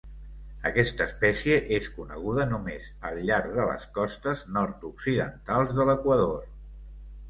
Aquesta espècie és coneguda només al llarg de les costes nord-occidentals de l'Equador.